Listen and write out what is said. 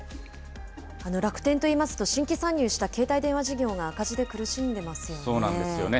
楽天といいますと、新規参入した携帯電話事業が赤字で苦しんそうなんですよね。